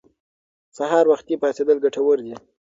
سهار وختي پاڅېدل ګټور دي.